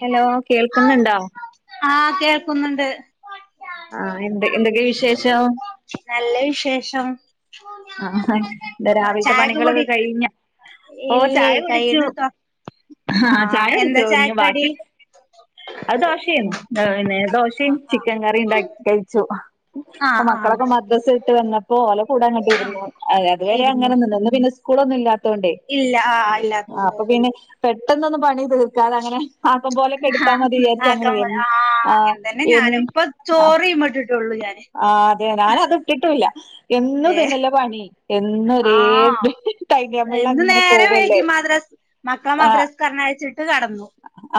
Hello കേൾക്ക്ന്ന്ണ്ടൊ? ആഹ് കേൾക്കുന്നുണ്ട്. ആ എന്ത എന്തൊക്കെ വിശേഷം. നല്ല വിശേഷം. ആഹ് ഇന്താ രാവിൽത്തെ ചായക്കെ കുടി പണികളൊക്കെ കഴിഞ്ഞോ? ഓഹ് ഇല്ലേ ചായ കുടിച്ചു. കൈയ്യിണടത്തോ ഹാ ആഹ് ചായ എന്താ കുടിച്ചു. ഇഞ്ഞ് ചായക്കടി വാക്ക്യാെക്കെ. അഹ് ദോശേന്നു. പിന്നെ ദോശിം ചിക്കൻ കറി ഇണ്ടാക്കി കഴിച്ചു. ആഹ് അപ്പം ആഹ് മക്കളൊക്കെ മദ്രസ വിട്ട് വന്നപ്പോ ഓല കൂടെ അങ്ങട്ട് ആഹ് ഇരുന്നു. അഹ് അത് വരെ ഇരുന്നു അങ്ങനെ നിന്ന്. ഇന്ന് പിന്നെ സ്കൂ കൂളൊന്നും ഇല്ലാത്തൊണ്ടെ. ഇല്ല ആഹ് ആ ഇല്ലാത്തോണ്ട് അപ്പൊ പിന്നെ പെട്ടെന്നൊന്നും പണി തീർ ക്കാതെ അങ്ങനെ ആക്കം പോലെക്കെ ആഹ് എടുത്താ മതി വിചാരിച്ച് അങ്ങനെ ആക്കം എ [unintelligible] ആഹ് അങ്ങനെ എൻ ആഹ്. ഒള്ളു ഞാന് ആഹ് അതെ ഞാനത് ട്ട്ട്ടൂല്ല എന്നും ഏഹ് തന്നല്ലെ പണി എന്നും ഒരേ ആഹ് ടൈ ടേബിൾ ഇന്ന് അങ്ങനെ നേരെ പോവല്ലേ വൈകി മദ്രസ് മക്കളെ മദ്രസ്‌ക്കർണായിച്ച്ട്ട് കടന്നു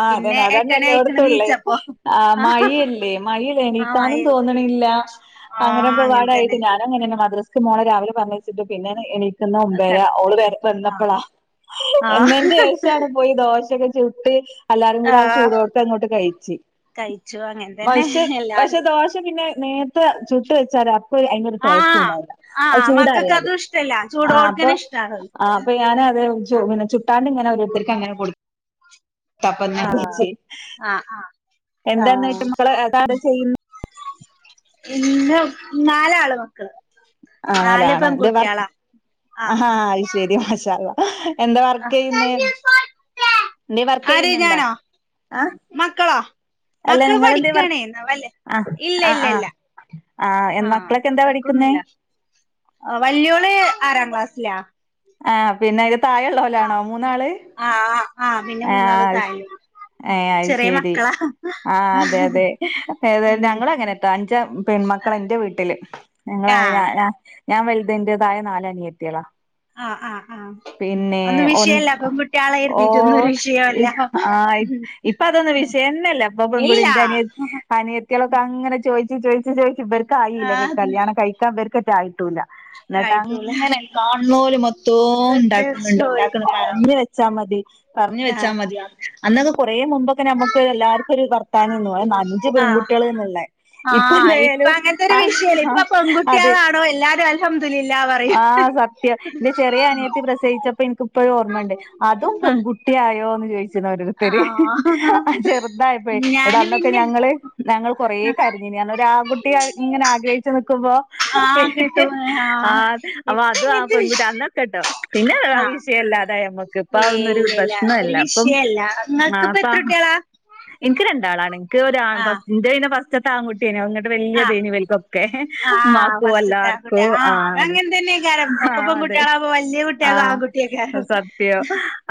ആഹ് പിന്നെ അതന്നെ അതന്നെ എട്ടണി ആയിക്കണ് എല്ലോട്ത്തുള്ളേ നീച്ചപ്പോ ആഹ് മയിഎല്ലേ മയി എണീ ആഹ് ക്കാനും മഴയല്ലേ തോന്ന്ണില്ല അങ്ങനൊ ആഹ് അങ്ങനെ തന്നെ ക്കപാടായിട്ട് ഞാ ഞാനും അങ്ങനെന്നെ മദ്രസ് ക്ക് മോളെ രാവിലെ പറഞ്ഞയ്ച്ചിട്ട് പിന്നെണ് എണീ ക്ക്ന്ന ഒമ്പേര കിടക്കും ഓള് ആഹ് വന്നപ്പളാ ആഹ് എന്നേ ൻ്റെ ഷാണ് പോയി ദോശൊക്കെ ചുട്ട് എല്ലാരും കൂടെ ആ ആഹ് ചൂടോട്ക്കെ അങ്ങോട്ട് കയിച്ച് കഴിച്ചു അങ്ങനെ തന്നെ പക്ഷെ പക്ഷെ എല്ലാരും ദോശ പിന്നെ നേര്ത്തെ ചുട്ട് വെച്ചാല പ്പ ഒര് അയ്ൻ്റൊരു ടേസ്റ്റു ആഹ് ഉണ്ടാവുല അത് ആഹ് മക്കൾക്ക് ചൂടാറ്യാൽ അതും ഇഷ്ടല്ല ആഹ് അപ്പൊ ചൂടോട്ക്കനെ ഇഷ്ടാണ് ഓൽക്ക് ആഹ് അപ്പൊ ഞാൻ അത് ചു ആഹ് പിന്നെ ചുട്ടാണ്ട് ഇങ്ങനെ ഓരോര്ത്തര്ക്ക് അങ്ങനെ കൊട് ത്തപ്പ ആഹ് [unintelligible] ആഹ് ആഹ് ആഹ് എന്താന്ന്ട്ട് മക്കളെ പാട് ചെയ്യുന്ന് ഇന്ന് നാലാള് മക്കള് ആഹ് നാല് നലാണാ ഇത് വർ പെൺകുട്ടികളാ അഹാ ആഹ് അത് ശെരി മാഷാഅള്ളാ എന്താ ആഹ് വർക്കെയ്യുന്ന് എന്തേ വർകെയ്യ് ആര് ന്ന്ണ്ടോ ഞാനോ ആ മക്കളോ അല്ല മക്കള് നിങ്ങളെന്തേ വർ പഠിക്കാണേ ന്നാവല്ലേ ഇല്ല ഇല്ല ഇല്ല ആഹ് എ മക്കളൊക്കെ എന്താ പഠിക്കുന്നേ വല്യോള് ആറാം ക്ലാസ്സിലാ ആഹ് പിന്നെ അതിന്റെ താഴെ ള്ളോലാണോ മൂന്നാള് ആഹ് ആഹ് ആഹ് പിന്നെ മൂന്നാള് തായിം ഏഹ് അത് ശെരി ആഹ് അതെ അതെ ഏതാലും ഉം ഞങ്ങളും അങ്ങനെ ത്തഞ്ച പെൺമക്കളാ ന്റെ വീട്ടില് ഞങ്ങളേ ഞ ആഹ് ഞ ഞാ വൽത് ൻ്റെ താഴെ നാല അനിയത്തേളാ ആഹ് ആഹ് ആഹ് പിന്നെ ഒന്നും ഒ വിഷയല്ല പെൺകുട്ടിയാളെ ഓ കരുതിയിട്ടൊന്നും ഒരു ഇ വിഷയല്ല ആഹ് ഇ ഇപ്പൊ അതൊന്നു വിഷയംന്നല്ല ഇപ്പൊ പെൺകുടി ഇല്ല ൻ്റെ അനിയ അനിയ ത്തേളൊകെ അങ്ങനെ ചോയ്ച്ച് ചോയിച്ച് ചോയ്ച്ച് ഇവർക്കായില്ല ആഹ് അത് കല്യാണം കഴിക്കാ ഇവർക്കറ്റെ ആയിട്ടൂല്ല ന്ന് ട്ട് ആയിട്ടൂല അങ്ങനെ കാണ് ണോൽ മൊത്തോം ഇണ്ടാക്കുന്നുണ്ടോ ഇണ്ടാക്കുന്നുണ്ടോ ചോദിക്കണ്ടാവും പറഞ്ഞി വെ ച്ചാ മതി പറഞ്ഞ് വെച്ചാ ആഹ് മതി അന്നൊക്കെ കൊറെ മുമ്പ് ക്കെ നമ്മക്ക് എല്ലാർക്കും ഒര് വർത്താനം ഏന്നു ഏ നഞ്ച് ആഹ് പെൺകുട്ടേൾ ന്ന് ള്ളെ ആഹ് ഇപ്പൊ ഇപ്പന്തായാലും അങ്ങനത്തെ ഒരു ആഹ് വിഷയല്ല ഇപ്പൊ ആഹ് അത് പെൺകുട്ടികളാണോ എല്ലാരും അൽഹംദുലില്ല പറയും ആഹ് സ ത്യം ന്റെ ചെറിയ അനിയത്തി പ്രസവിച്ചപ്പോ ൻക്ക് ഇപ്പഴും ഓർമ്മണ്ട് അതും ആഹ് പെൺകുട്ടി ആയോ ന്ന് ചോയി ച്ച്ണ് ഒരോര്ത്തര് ആഹ് ആ ചെറുതായപ്പയെ ന്ന്ട്ട് ഞാന് അന്നൊക്കെ പിന്നെ ഞങ്ങള് ഞങ്ങൾ കൊറേ കര്ഞ്ഞിനി ഞമ്മൾ ഒരു ആൺകുട്ടി ഇങ്ങനെ ആഗ്രഹിച്ചു നിക്കുമ്പോ പി ആഹ് കിട്ടും ആഹ് അപ്പൊ ഇപ്പ അതും ആ ഇങ്ങനത്തെ വിഷ പെൺകുട്ടി അന്നൊക്കെട്ടോ പിന്നെ അത് ആഹ് വിഷയല്ലാതായി ഞമ്മക്ക് ഇപ്പ ഏയ് അതൊന്നൊരു ഇല്ലില്ല പ്രശ് ഒരു നല്ല അപ്പം വിഷയല്ല നിങ്ങൾക്കിപ്പ എത്ര ആഹ് കുട്ടികളാ ഇൻക്ക് രണ്ടാളാണ് ൻക്ക് ഒരാ ആഹ് ഫസ്റ്റ് ൻ്റെ പിന്നെ ഫസ് റ്റ്ത്തേ ആകുട്ടിയെന് ഇങ്ങട്ട് വല്ലേ ആഹ് തേനി വൽക്കൊക്കെ ആഹ് ഉമ്മാക്കു ഫസ്റ്റ്ത്തെ ആൺകുട്ടി എല്ലാർക്കു ആഹ് അതെ അതങ്ങനെ തന്നെയ്ക്കാരം ഒക്കെ ആഹ് അതെ പെൺകുട്ടികളാവുമ്പോ വല്യ കുട്ടിയാകും ആഹ് ആൺകുട്ടിയേക്കാരം സത്യോ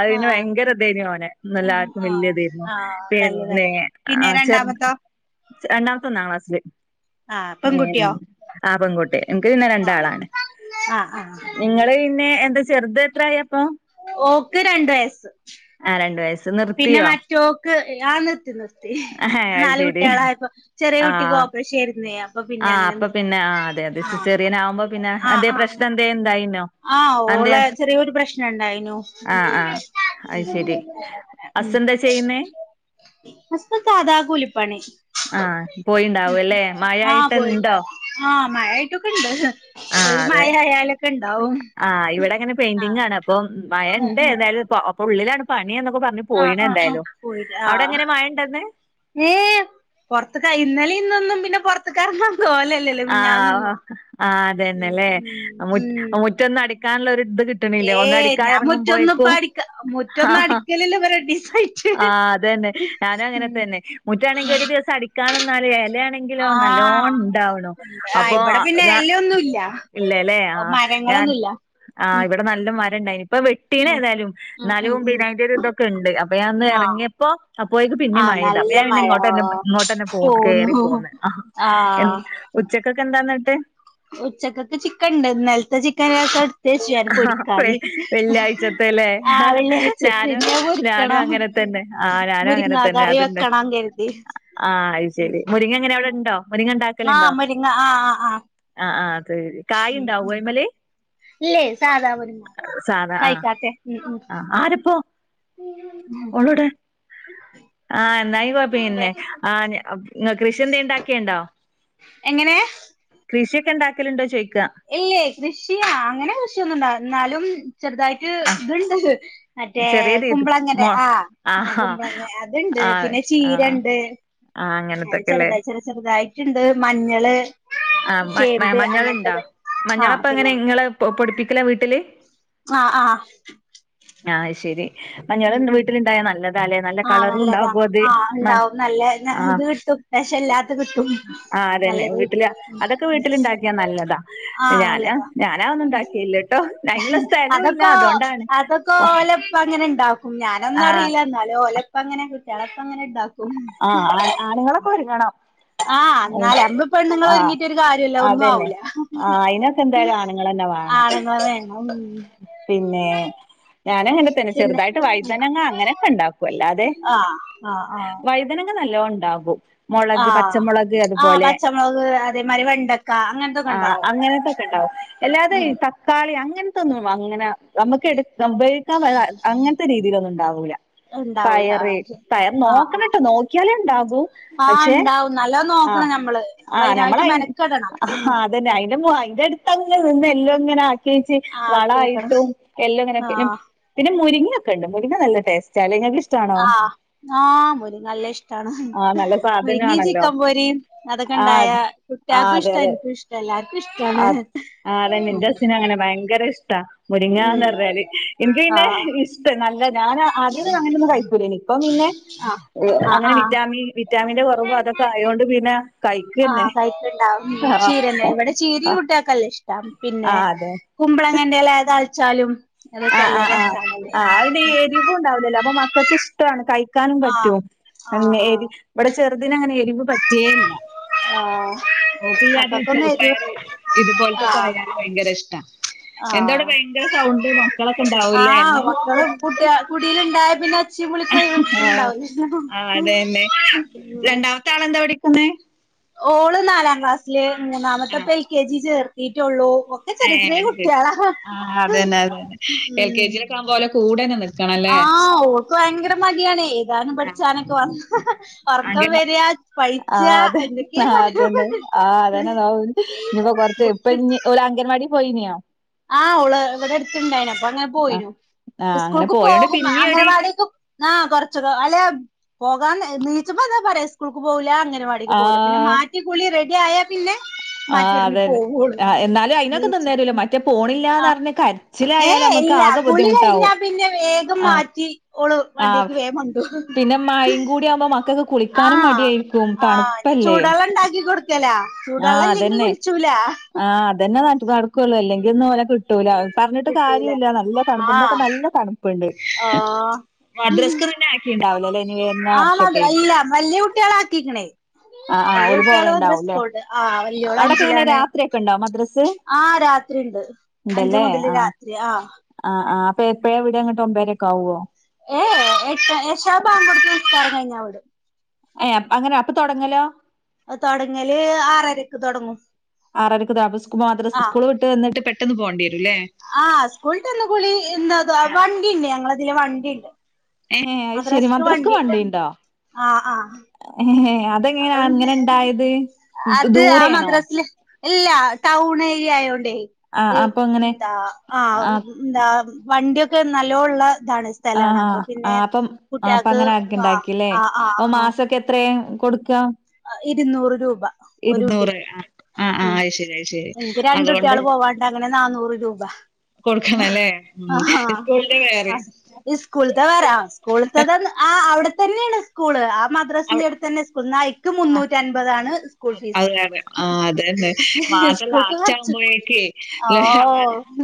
അതിന് ബ ആഹ് ങ്കര ഇതേനു ഓനെ ആഹ് ന്നല്ലർക്കും വല്ലേ ആഹ് തേര്ന്നു ആഹ് കല്ല് പിന്നെ കാര്യ ആ പിന്നെ ചെറ് രണ്ടാമത്തോ ച്ച രണ്ടാമത്തെ ഒന്നാം ക്ലാസ്സില് ആഹ് പെൺകുട്ടിയോ [unintelligible] ആ പെൺകുട്ടി ഇന്ക്ക് പിന്നെ ആഹ് രണ്ടാളാണ് ആഹ് ആഹ് ഇങ്ങള് പിന്നെ എന്ത് ചെറ്ത് എത്രായി അപ്പൊ ഓക്ക് രണ്ട് വയസ്സ് ആഹ് രണ്ട് വയസ്സ് നിർത്തിയോ സ്റ്റോക്ക് ആഹ് നിർത്തി നിർ ഏഹ് അത് നാല് ശരി കുട്ടികളായപ്പോ ചെറിയ കുട്ടിക്ക് ആഹ് ഓപ്പറേഷനായിരുന്നു ആഹ് അപ്പ പിന്നെ ആ അതെ അതെ സിസേറിയൻ ആകുമ്പോ പിന്നെ ആഹ് എന്തേ ആഹ് പ്രശ്ന എന്തേ ഇണ്ടായിന്നോ ആഹ് ഓളെ ചെറിയൊരു പ്രശ്നണ്ടായിനു ആഹ് അസ്സ് എന്താ ചെയ്യുന്നേ അസ്സ് സാതാ കൂലിപ്പണി ആഹ് മ് പോയിണ്ടാവും അല്ലേ മഴ ആഹ് ആയിട്ട് പോയിണ്ട് ഇണ്ടോ? ആഹ് മഴായിട്ടൊക്കെ ഉണ്ട് ആഹ് ഒരു അതെ മഴ ആയാലൊക്കെ ഇണ്ട് ആഹ് ഇവിടെ ഇങ്ങനെ പെയിന്റിം ങ്ങാണ് അപ്പോ മഴ ഉം ഉണ്ട് ഉം ഏത [unintelligible] അപ്പൊ ഉള്ളിലാണ് പണി എന്നൊക്കെ പറഞ്ഞ് ആഹ് പോയിണെ ആഹ് ആഹ് എന്തായാലും പോയിട്ട് അവിടെ ആഹ് എങ്ങനെ മഴണ്ടൊന്ന് ഏഹ് പുറത്തക്ക ഇന്നലെ ഇന്നൊന്നും പിന്നെ പുറത്ത കറങ്ങാ ആഹ് ആഹ് ഉം അതന്നെല്ലേ ഉം മു മുറ്റൊന്ന അടിക്കാള്ള ഒരു ത് കി ഏഹ് ഞാൻ മുറ്റൊന്നു ഇപ്പ അടി ആഹ് മുറ്റൊന്നടിക്കലില്ല ഇപ്പൊ രണ്ടീസായി ആഹ് അതന്നെ ഞാനും അങ്ങനെതന്നെ മുറ്റാണെങ്കിൽ ഒരു ദിവസം അടിക്കാൻന്നാല് എ ലയാണെ ങ്കിലോ നല്ലലോൺ ആഹ് ഇണ്ടാ ആ അപ്പോ ഇവിടെ പിന്നെ ഞാൻ എല്ലൊന്നുല്ല ഇല്ലല്ലേ ആഹ് ഞാൻ മരങ്ങളൊന്നുല്ല ആ ഇവിടെ നല്ല മരണ്ടായിന് ഇപ്പ വെട്ടീന് ഏതായാലും എന്നാലും ഉം പിന്നെ അതിന്റെരു ഇതൊക്കെ ഉണ്ട് അപ്പൊ ഞാൻ ഒന്ന് ആഹ് ഇറങ്ങിയപ്പോ അപ്പോയേക്ക് പിന്നീം ആഹ് മഴ പെയ്തു അപ്പ നല്ല ഞാൻ പിന്നെ മഴ ഓ ഇങ്ങോട്ട്ന്നെ ഇങ്ങോട്ട്ന്നെ പോന്ന് കേറി പോന്നു പോന്ന് ആഹ് എ ആഹ് ഉച്ചക്കൊക്കെ എന്താ ഇന്നട്ട് ഉച്ചക്കൊക്ക് ചിക്കൻണ്ട് ഇന്നലത്തെ ചിക്കൻ ലേശം എടുത്തുവച്ചു ഞാൻ പൊരിക്കാന് വെള്ളിയാഴ്ചത്തല്ലേ ആഹ് വെള്ളിയാഴ്ചത്തെ ഞാനും ഇനി അത് ഞാനും പൊരിക്കണം അങ്ങനെ തന്നെ ആഹ് ഞാനും അങ്ങനെ തന്നെ അതി ക്കണം കെര്തി ആഹ് അയ് ശരി മുരിങ്ങ എങ്ങനെ അവിടെണ്ടോ ആഹ് മുരിങ്ങ ആഹ് ആഹ് ആഹ് ആഹ് ആഹ് അത് കായ് ഉം ഉണ്ടാവൊ ഉം അയ്മല് ഇല്ലേ സാധാ ഒരു സാധാ ആഹ് കഴിക്കാത്തെ ഉം ഉം ആഹ് ആരപ്പോ ഓള് എവ്ടെ ആഹ് എന്നാ പ്പോ പിന്നെ ആഹ് [unintelligible] കൃഷി എന്തേ ഇണ്ടാക്കിണ്ടോ എങ്ങനെ കൃഷിയൊക്കെ ഇണ്ടാക്കലുണ്ടോ ചോയ്ക്ക ഇല്ലേ കൃഷി ആങ്ങനെ കൃഷിയൊന്നും ഇണ്ടാ ഇന്നാലും ചെറുതായിട്ട് ആഹ് ഇത്ണ്ട് മറ്റേ ചെറിയ രീതി കുമ്പളങ്ങനെ മോ ആഹ് ആ ആഹാ കുമ്പളങ്ങ ആഹ് അത്ണ്ട് ആഹ് പിന്നെ ചീരണ്ട് ആഹ് അത് അങ്ങനത്തൊക്കെല്ലേ ചെറുതായി ചെറു ചെറുതായിട്ടുണ്ട് മഞ്ഞള് ചേമ്പ് അങ്ങനതൊക്കെ മഞ്ഞളപ്പങ്ങനെ ഇങ്ങള് പൊടിപ്പിക്കല വീട്ടില് ആഹ് ആഹ് ആഹ് ശെരി മഞ്ഞൾ വീട്ടിലുണ്ടായാ നല്ല ആഹ് കളറും നല്ലതാ ഉണ്ടാകും അത് ആണ്ടാവും നല്ല ആഹ് ഇത് കിട്ടും വെക്ഷെല്ലാ കിട്ടും ആഹ് അതന്നെ നല്ലത് വീട്ടില് കിട്ടും ഉം അതൊക്കെ ഉം വീട്ടിലുണ്ടാക്കിയാ നല്ലതാ ആഹ് ഞാന് നല്ലതാ ഞാനതൊന്നും ഉണ്ടാക്കിയില്ലട്ടോ അയിനുള്ള സ്ഥലവും ഇല്ല അതൊക്കോ അതുകൊണ്ടാണ് അതൊക്കോലപ്പ അങ്ങനെ ഇണ്ടാ ആഹ് ഞാനൊന്നറീല്ല എന്നാലോലപ്പങ്ങെനെ കുട്ടേള ഇപ്പ അങ്ങനെ ഇണ്ടാ ആഹ് ആണ് ആണുങ്ങളൊക്ക ഒരുങ്ങണം ആഹ് എന്നാല അയ് നമ്മള് പെണ്ണുങ്ങൾ ആഹ് ഒരുങ്ങിട്ട് ഒരു കാര്യല്ല ഒന്നും അതെന്നെ ആവൂല ആ അയ്ന ച്ച്എന്തായാലും ആണുങ്ങള് തന്നെ വേണം ആണുങ്ങളെ വേണം പിന്നെ ഞാനങ്ങനെ തന്നെ പിന്നെ ചെറുതായ്ട്ട് വയ്തനങ്ങ അങ്ങനെക്ക ഇണ്ടാക്കു അല്ലാതെ അഹ് ആഹ് ആഹ് വയ്തനങ്ങ നല്ലോം ഇണ്ടാകും മൊളക് ആഹ് പച്ചമൊളക് ആഹ് അത്പോലെ പച്ചമുളക് അതേമാതിരി വെണ്ടക്ക അങ്ങനത്തൊക്കെ ആഹ് ഉണ്ടാവും അങ്ങനത്തൊക്കെ ഇണ്ടാവും എല്ലാതെ ഈ ഉം തക്കാളി അങ്ങൻത്തൊന്നും വ അങ്ങനെ ഞമ്മക്ക് എട്ത് റം ഉപയോഗിക്കാൻ പറ്റ്ന്ന അങ്ങൻത്തെ രീതിലൊന്നും ഇണ്ടാവൂല ഉണ്ടാവൂല പയറ് ആഹ് ശരി പയർ ആഹ് നോക്കണം ട്ടോ നോക്കിയാലെ ഇണ്ടാകൂ ആഹ് ആഹ് പക്ഷെ ഉണ്ടാവും നല്ലോ അഹ് നോക്കണം ഞമ്മള് നമ്മള് ആഹ് ഞമ്മള് അതിനായിട്ട് അയ് മെനക്കെടണം അഹ് ഉം അത് തെന്നെ അയ്ന്റെ മൊ അയ്ന്റെട്ത്ത് അങ്ങനെ നിന്ന് എല്ലൊം ഇങ്ങനാ ക്കി വെച്ചെ ആഹ് കേക്കണം വളായ്ട്ടും എല്ലൊ ഇങ്ങനെ ഇട്ട് നം ആഹ് പിന്നെ മുരിങ്ങ ഒക്കെ ഇണ്ട് മുരിങ്ങ നല്ല ടേസ്റ്റാലേ ഇങ്ങക്ക് ഇഷ് അഹ് ആഹ് മുരി നല്ല ഇഷ്ടാണ് ആഹ് നല്ല മുരിങ്യിം സാധനാണല്ലോ ചിക്കം പൊരിം അതൊക്കെ ആഹ് ഇണ്ടായാ കു ആഹ് ട്ട്യാക്കും അതെ ഇഷ്ട ഇൻക്കു ഇഷ്ട എല്ലാര്ക്കു ഇഷ്ടാണ് ആഹ് അതെന്നെ ഇന്റെ ഹസ്സിന് അങ്ങനെ ഭയങ്കര ഇഷ്ടാ ഉം മുരിങ്യാന്ന് പറഞ്ഞാല് ഇൻക്ക് പിന്നെ ആഹ് ഇഷ്ടം നല്ല ഞാന് ആദ്യ ഒന്നും അങ്ങനൊന്നും കയ്ക്കൂലേയ്നി ഇപ്പം പിന്നെ ആഹ് എഹ് ആഹ് അങ്ങനെ ആഹ് വിറ്റാമിൻ വിറ്റാമിന്റെ കൊറവ് അതൊക്കെ ആയോണ്ട് പിന്നെ കഴിക്കെന്നെ കഴിക്ക്‌ണ്ടാവും ഉം ചീരെന്റെ ഇവടെ ചീരീം ആഹ് കുട്ട്യാക്ക്‌ നല്ല ഇഷ്ട പിന്നെ ആഹ് അതെ കുമ്പളങ്ങന്റെ എല താളിച്ചാലും അതൊക്കെ നല്ല രസാണല്ലേ മ്പുണ്ടാവുലല്ലോ അപ്പ മക്കക്ക് ഇഷ്ടാണ് കഴിക്കാനും ആഹ് പറ്റും ആഹ് തന്നെ എരി ആഹ് ഇവടെ ചെറ്തിനങ്ങനെ എരിവ് പറ്റേ ഇല്ല ആഹ് ഓക്കീയാതി മക്കക്കൊന്ന് എരു ചെറുപ്പയറ് ഇതുപോലത്തെക്കെ ആഹ് ആയ ഭയങ്കര ഇഷ്ടാ എന്ത അവ്ടെ ആഹ് ഭയങ്കര സൗണ്ട് മക്കളൊക്ക ഇണ്ടാവും ല്ലേ ഇന്ന് കുട്ട്യാ കുടീല് ഇണ്ടായ പിന്നെ ഒച്ചിം ബുളിക്ക്‌ ഒര് ഇത്‌ ആഹ് ഇണ്ടാവുല്ലല്ലോ ഉം ത്താളെന്താ പഠിക്കുന്നെ ഓള് നാലാം ക്ലാസ്സില് മൂന്നാമത്തെ ഇപ്പ എൽ കെ ജി ചേർത്തിറ്റൊള്ളൂ ഒ ഏഹ് അത് ശെരി ആഹ് അതെന്നെ അതേനെ എൽ കെ ഉം ജിലൊക്കെ ആവുമ്പൊ ഓലെ കൂടെന്നെ നി ആഹ് ഓക്ക് ഭയങ്കര മടിയാണെയ് എയ്താനും പഠിച്ചാനൊക്കെ പർഞ്ഞാ ഒറക്കം അംഗൻ വെരാ ആ പയ്ച്ച അതെ എന്തെക്കെ പറയ്ന്നോക്കോണ്ടി ഇഹ് ഇഞ് പ്പ കൊർച്ച് ഇപ്പ ഇഞ്ഞ് ഓല് അംഗൻവാടി പോയിന്യോ ആഹ് ഓള് ഇവടെ എട്ത്ത് ഇണ്ടായ്നു അപ്പ അങ്ങനെ ആ പോയ്നു ആ അങ്ങനെ ഇസ്കൂൾക്ക് പോയോണ്ട് പോകും പിന്നിം ഒരു അംഗനവാടിക്ക്‌ ആഹ് കൊർച്ചൊക്കെ അല്ലേ പോകാം നെ നീച്ചുമ്പ ഇങ്ങനെ പറയും സ്കൂൾക്ക് പോവൂല അങ്ങൻ നവാടിക്ക് പോവ് ല പിന്നെ ആഹ് മാറ്റി ക്കുളി റെഡിയായ ആഹ് അതെന്നെ ആഹ് എന്നാലു അയ്നൊക്കെ നീച്ച് നിന്നെരൊല്ലോ മറ്റേ ആ പോണില്ലാന്ന് പറഞ്ഞ് കര് ഏ ച്ചിലായാല് അമ്മക്ക് ഇല്ല ആകെ ബുദ്ധിമുട്ടാവും ആഹ് ച്ചി ഓള് ആവ് വണ്ടിക്ക് വേഗം കൊണ്ടോവും പിന്നെ മഴിം കൂടി ആവുമ്പോ മക്ക് ക്കക്ക് കുളിക്കാനും മടിയായിരിക്കും തണ്പ്പല്ലേ ഇണ്ടാക്കി കൊട്ക്കലാ ചൂടള്ളല്ലെങ്കി കുളിച്ചൂല ഇതന്നെ നൻച്ച് നടക്കൊള്ളൂ അല്ലെങ്കി ഒന്നും ഓലെ കിട്ടൂല പറഞ്ഞിട്ട് കിട്ടൂല കാര്യോല്ല നല്ല തണുപ്പ് ഇന്നൊക്ക ആ നല്ല തണ് പ്പ്ണ്ട് ആഹ് ഉം ഹും ആക്കിണ്ടാവൂലല്ലേ ഇനി വരുന്ന ആണത് വർഷൊക്കേക്കും അല്ല വല്ല്യെ കുട്ട്യാളെ ആക്കീക്ക്ണെയ് ആഹ് ആഹ് വല്ല്യ ഓല് കുട്ട്യാള് മദ്രസക്ക് പോവേണ്ടാവുംല്ലേ പോവ്ണ്ട് ആഹ് വല്ല്യോള് അവിടൊക്കെ എങ്ങനെ അഞ്ചിലാണ് രാത്രിയൊക്കെണ്ടോ മദ്രസ്? ആഹ് രാത്രി ഇണ്ട്. അഞ്ച് മുതല് രാത്രി ആഹ്. അ ആഹ് അപ്പ എപ്പഴ വിട്കാ ഇങ്ങട്ട് ഒമ്പരെക്കെ ആവ്വോ? [unintelligible] ഏ അങ്ങനെ അപ്പൊ തൊടങ്ങലോ? അത് തൊടങ്ങല് ആറരക്ക് തൊടങ്ങും ആറരക്ക് [unintelligible] മദ്രസസ്കൂള് വിട് ഇവ്ടെ വന്നിട്ട് പെട്ടന്ന് പോകണ്ടി വരുല്ലേ. ആ സ്കൂളിന്ന കൂളി എന്താ വണ്ടിണ്ട് ഞങ്ങടെ അതില് വണ്ടിണ്ട്. ഏ ശരി മദ്രസ്ക്ക് മദ്രസക്ക് വണ്ടിണ്ട് വണ്ടിയുണ്ടോ? ആഹ് ആഹ് അത് അതെങ്ങനാണ് പിന്നെ അങ്ങനെ ഉണ്ടായത് ദൂരെ ആണോ? ഇല്ല്യ ടൗൺ ഏരിയയോണ്ടേ. ആ അപ്പൊ അങ്ങനെ എന്താ ആ എന്താ വണ്ടിയൊക്കെ നല്ലോള്ള ഇതാണ് സ്ഥലാണ് ആഹ അപ്പൊ ആ ആ പിന്നെ അപ്പം ആ അപ്പൊ കുട്ടികൾക്ക് അങ്ങനെക്ക ആ ഉണ്ടാക്കില്ലേ. ആ ആ അപ്പൊ ആ മാസൊക്കെ എത്രയാ കൊടു [unintelligible] ഇരുന്നൂറ് രൂപ. ഒരു കുട്ടിക്ക്. ആ ആ ആ ഉം അത് ശരി അത് ശരി എനിക്ക് രണ്ട് അതുകൊണ്ട് കുട്ടിയോള് പോവാന്ണ്ട് അങ്ങനെ നാന്നൂറ് രൂപ. കൊടുക്കണ അല്ലേ. ആഹാ സ്കൂളിന്റെ വേറെ. ആ സ് ഈ സ്കൂളത്തെ വേറെ. സ്കൂളത്ത ആ അവിടെ തന്നെയാണ് സ്കൂള്. മദ്രാസന്റെ അടുത്ത് തന്നെ സ്കൂള്. നയ്ക്ക് മുന്നൂറ്റൻപതാണ്. അതെ അതെ അതന്നെ മാസം സ്കൂൾക്ക് ലാസ്റ്റ് കൊറച്ച് ഓ ആകുമ്പോഴേക്കുവെ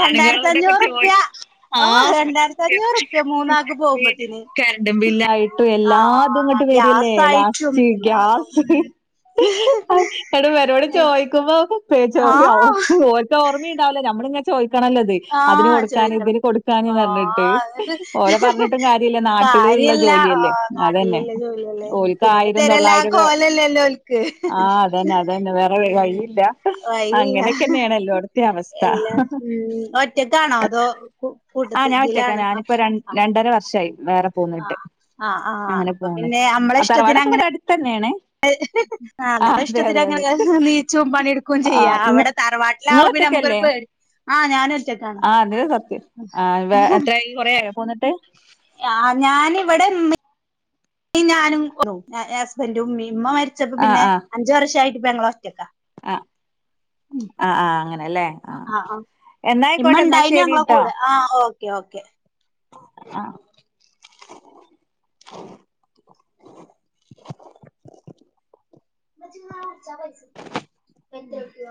രണ്ടായിരത്തി ആണുങ്ങളോട്ടൊക്കെ ചോയി അഞ്ഞൂറുപ്യ ഓ ആഹ് രണ്ടായിരത്തി സത്യം അഞ്ഞൂറുപ്യ മൂന്നാക്ക് പോകുമ്പത്തിന് കരണ്ടും ബിമ്പില്ലായിട്ടും ആ എല്ലാ ഇതും ഇങ്ങോട്ട് വര്കല്ലേ ഗ്യാസായിട്ടും ലാസ്റ്റ് എല്ലാതും ഗ്യാസും [inaudible] എട ഇവേരോട് ചോയിക്കുമ്പോ ആ [unintelligible] ഇത് ഓർമയുണ്ടാവില്യ നമ്മിളിങ്ങനെ ചോയിക്കണല്ലിത്. അതിന് ആഹ് കൊടുക്കന് ചോദിക്കണം ഇതിന് കൊടുക്കാനന്ന് പറഞ്ഞിട്ട് ആഹ് എന്നിട്ട് ഓരെ പറഞ്ഞിട്ടും കാര്യല്ല നാട്ടിലുള്ള കാര്യല്ല ജോലിയല്ലേ. ആഹ് അതന്നെ. നാട്ടിലില്ല ജോലിയല്ലേ ഓര്ക്ക് പിന്നെപ്പ ആയിരം തരല്ല ആ തൊള്ളായിരം കോലല്ലല്ലോ ഓൽക്ക് ആഹ അതന്നെ അതന്നെ വേറെ ഉം വഴിയില്ല. വഴിയില്ല അങ്ങനെയൊക്കെ തന്നെയാണല്ലൊടത്തു തെ അവസ്ഥ. എല്ലാ ഉം ഒറ്റക്കാണോ അതോ കൂ ആ കൂട്ടത്തി ഞാൻ വെച്ചേക്കാ. ഇതിലാണോ ഞാനിപ്പോ ആഹ് രണ്ടര വർഷമായി വേറെ പോന്നിട്ട്. ആ ആ അങ്ങനെ അപ്പൊ പോണ് പിന്നെ അമ്മടെ ആഹ് ഇഷ്ടത്തിന് തറവാടൊക്കെ അങ്ങനെ ഇവിടെ അടുത്ത് തന്നെയണേ. ആ ന ഇഷ്ടത്തി അങ്ങനെ നീച്ചും പണിയെടുക്കുകയും ആഹ് ചെയ്യാം അവിടെ തറവാട്ട് [unintelligible] ആ അതി സത്യം. ആ എത്രയ കൊറയ പോന്നിട്ട്? ആ ഞാൻ ഇവിടെ നി ഈ ഞാനും ഹസ്ബൻറ്റും ഇമ്മ മരിച്ചപ്പോ ആഹ് പിന്നെ അഞ്ച് വർഷായിട്ട് പെങ്ങളോറ്റക്കാ. ആ ആ ആ അങ്ങനല്ലേ. ആ ആ് ആ. ഇമ്മ ഇണ്ടായിനു ഞങ്ങളെ ശരിട്ടോ കൂടെ. ആ ഓക്കേ ഓക്കേ. ആഹ [unintelligible]